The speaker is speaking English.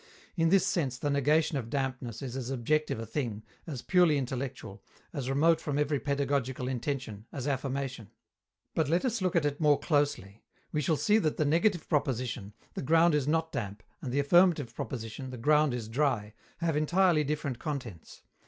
In this sense the negation of dampness is as objective a thing, as purely intellectual, as remote from every pedagogical intention, as affirmation. But let us look at it more closely: we shall see that the negative proposition, "The ground is not damp," and the affirmative proposition, "The ground is dry," have entirely different contents.